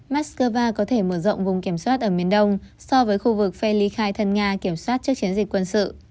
moscow có thể mở rộng vùng kiểm soát ở miền đông so với khu vực phili khai thân nga kiểm soát trước chiến dịch quân sự